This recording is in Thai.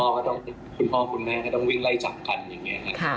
คุณพ่อคุณแม่ก็ต้องวิ่งไล่จับกันอย่างนี้ค่ะ